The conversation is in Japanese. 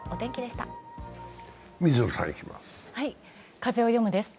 「風をよむ」です。